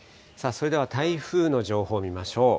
それでは台風の情報見ましょう。